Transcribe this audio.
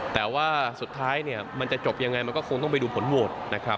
แต่ว่าสุดท้ายเนี่ยมันจะจบยังไงมันก็คงต้องไปดูผลโหวตนะครับ